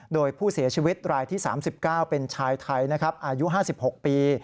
โดยผู้เสียชีวิตรายที่๓๙เป็นชายไทยนะครับอายุ๕๖ปี